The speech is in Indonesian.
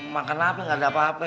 makan apa nggak ada apa apa